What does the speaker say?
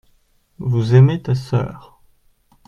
Vous aimez ta sœur.